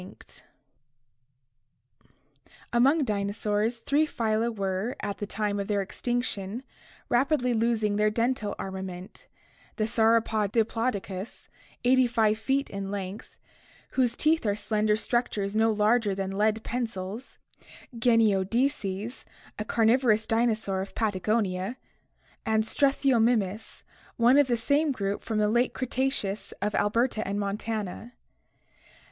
224 ORGANIC EVOLUTION Among dinosaurs, three phyla were, at the time of their extinction, rapidly losing their dental armament: the sauropod Diplodocus, 85 feet in length, whose teeth are slender structures no larger than lead pencils; Genyodecles, a carnivorous dinosaur of Patagonia; and Struthiomimus, one of the same group from the late Cretaceous of Alberta and Montana (see Chapter XXXI).